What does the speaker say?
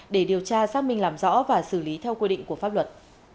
để điều tra xác minh làm rõ và xử lý theo quy định của pháp luật